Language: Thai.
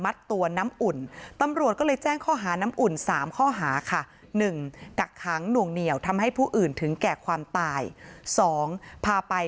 ครอบครัวไม่ได้อาฆาตแต่มองว่ามันช้าเกินไปแล้วที่จะมาแสดงความรู้สึกในตอนนี้